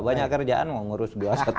banyak kerjaan mau mengurus dua ratus dua belas